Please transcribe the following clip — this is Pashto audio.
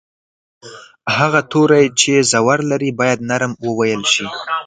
هغه توری چې زور لري باید نرم وویل شي.